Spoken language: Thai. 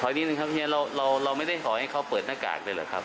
เราขอไว้นิดนึงครับเฮียเราเราเราไม่ได้ขอให้เขาเปิดหน้ากากเลยหรือครับ